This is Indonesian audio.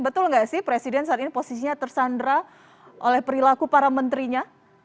betul nggak sih presiden saat ini posisinya tersandra oleh perilaku para menterinya